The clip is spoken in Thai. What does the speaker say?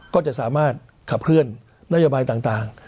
ก็จะสามารถขับเคลื่อนนโยบายต่าง